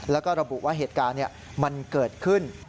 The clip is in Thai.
แล้วก็ระบุว่าเหตุการณ์มันเกิดขึ้น